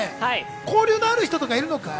交流のある人はいるのかい？